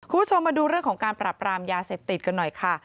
คุณผู้ชมมาดูเรื่องของการปรับรามยาเสพติดกันหน่อยค่ะ